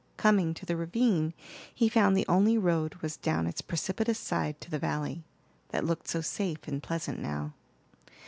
Coming to the ravine, he found the only road was down its precipitous side to the valley, that looked so safe and pleasant now.